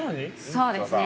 ◆そうですね。